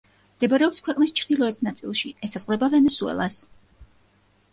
მდებარეობს ქვეყნის ჩრდილოეთ ნაწილში, ესაზღვრება ვენესუელას.